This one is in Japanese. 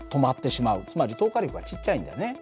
つまり透過力はちっちゃいんだね。